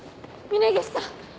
峰岸さん！